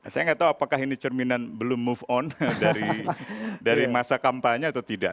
saya nggak tahu apakah ini cerminan belum move on dari masa kampanye atau tidak